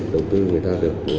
đầu tư người ta được